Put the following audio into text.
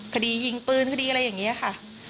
คดียิงปืนคดีอะไรอย่างนี้ค่ะ